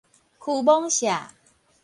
邱罔舍